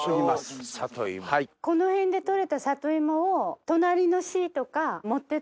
この辺で採れた里芋を。